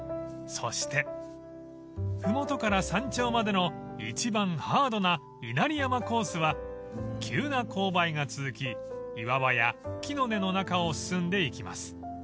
［そして麓から山頂までの一番ハードな稲荷山コースは急な勾配が続き岩場や木の根の中を進んでいきます］